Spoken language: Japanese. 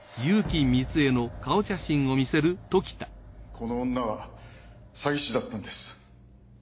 この女は詐欺師だったんです。